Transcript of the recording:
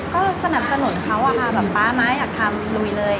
ก็สนับสนุนเขาอะค่ะแบบป๊าม้าอยากทำลุยเลย